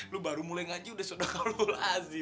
lo baru mulai ngaji udah sodakallahuladzim